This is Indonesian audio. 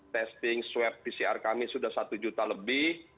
testing swab pcr kami sudah satu juta lebih